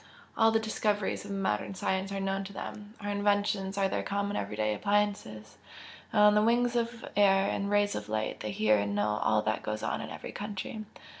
All the discoveries of our modern science are known to them our inventions are their common everyday appliances and on the wings of air and rays of light they hear and know all that goes on in every country.